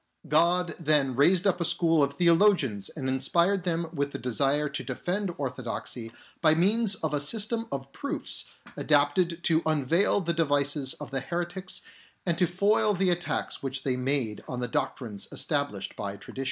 God then raised up a school of theologians and inspired them with the desire to defend orthodoxy by means of a system of proofs adapted to unveil the devices of the heretics and to foil the attacks which they made on the doctrines established by tradition.